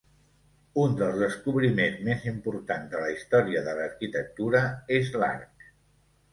Un dels descobriments més importants de la història de l'arquitectura és l'arc.